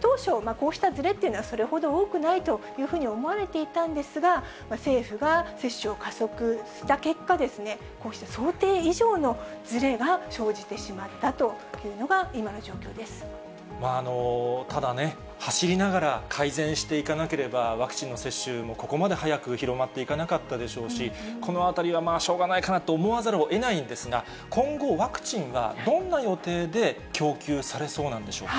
当初、こうしたずれっていうのは、それほど多くないというふうに思われていたんですが、政府が接種を加速した結果、こうした想定以上のずれが生じてしまったというのが、今の状況でただね、走りながら改善していかなければ、ワクチンの接種もここまで速く広がっていかなかったでしょうし、このあたりはまあ、しょうがないかなと思わざるをえないんですが、今後、ワクチンはどんな予定で供給されそうなんでしょうか。